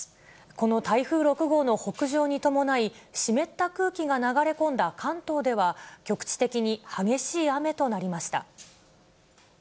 この台風６号の北上に伴い、湿った空気が流れ込んだ関東では、局地的に激しい雨となりました。